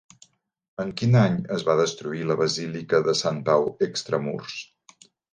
En quin any es va destruir la basílica de Sant Pau Extramurs?